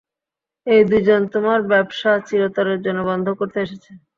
এই দুইজন তোমার ব্যবসা চিরতরের জন্য বন্ধ করতে এসেছে।